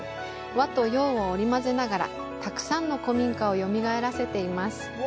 和と洋を織り交ぜながら、たくさんの古民家をよみがえらせています。